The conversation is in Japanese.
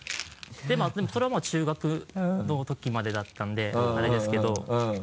でもそれはもう中学のときまでだったんでアレですけど。